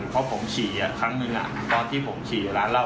เพราะผมฉี่ครั้งหนึ่งตอนที่ผมฉี่ร้านเหล้า